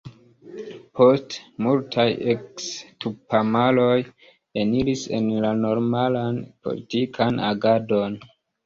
Poste multaj eks-tupamaroj eniris en la normalan politikan agadon.